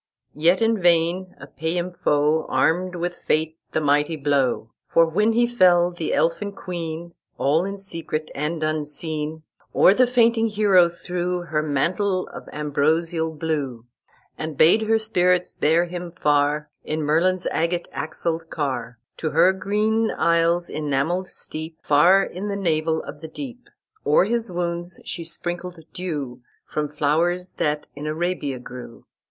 "Yet in vain a paynim foe Armed with fate the mighty blow: For when he fell, the Elfin queen, All in secret and unseen, O'er the fainting hero threw Her mantle of ambrosial blue, And bade her spirits bear him far, In Merlin's agate axled car, To her green isle's enamelled steep, Far in the navel of the deep. O'er his wounds she sprinkled dew From flowers that in Arabia grew.